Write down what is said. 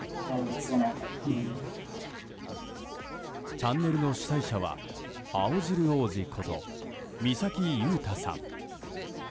チャンネルの主催者は青汁王子こと、三崎優太さん。